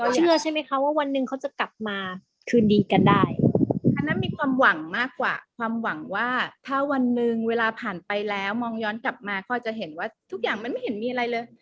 เชื่อใช่ไหมคะว่าวันหนึ่งเขาจะกลับมาคืนดีกันได้อันนั้นมีความหวังมากกว่าความหวังว่าถ้าวันหนึ่งเวลาผ่านไปแล้วมองย้อนกลับมาก็จะเห็นว่าทุกอย่างมันไม่เห็นมีอะไรเลย